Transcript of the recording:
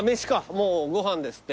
もうご飯ですって。